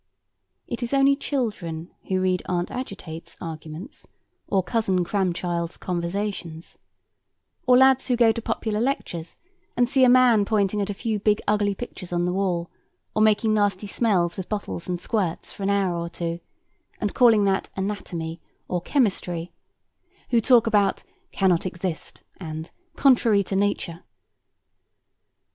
It is only children who read Aunt Agitate's Arguments, or Cousin Cramchild's Conversations; or lads who go to popular lectures, and see a man pointing at a few big ugly pictures on the wall, or making nasty smells with bottles and squirts, for an hour or two, and calling that anatomy or chemistry—who talk about "cannot exist," and "contrary to nature."